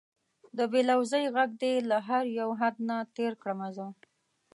د بې لوظۍ غږ دې له هر یو حد نه تېر کړمه زه